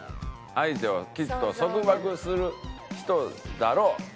「相手をきっと束縛する人だろう」。